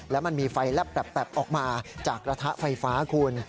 แล้วมันมีไฟแลบแป๊บออกมาจากกระทะไฟฟ้าคุณ